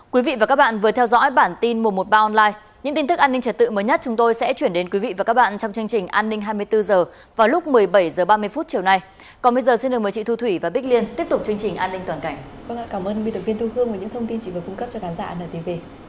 quý vị và các bạn thân mến chương trình an ninh toàn cảnh sẽ được tiếp tục với những thông tin về truy nã tội phạm